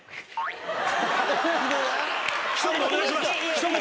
一言！